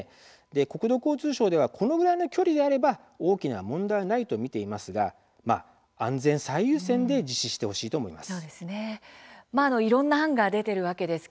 国土交通省ではこのぐらいの距離であれば大きな問題はないと見ていますが安全最優先で実施してほしいと思います。